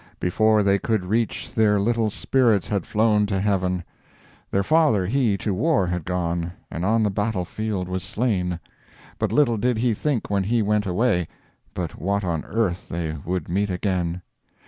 before they could reach, Their little spirits had flown to heaven. Their father he to war had gone, And on the battle field was slain; But little did he think when he went away, But what on earth they would meet again.